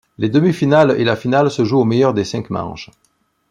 Les demi-finales et la finale se jouent au meilleur des cinq manches.